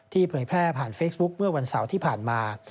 เผยแพร่ผ่านเฟซบุ๊คเมื่อวันเสาร์ที่ผ่านมา